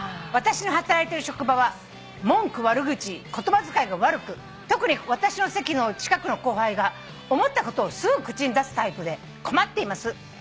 「私の働いてる職場は文句悪口言葉遣いが悪く特に私の席の近くの後輩が思ったことをすぐ口に出すタイプで困っています」